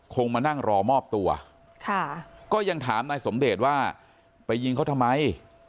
มานั่งรอมอบตัวค่ะก็ยังถามนายสมเดชว่าไปยิงเขาทำไม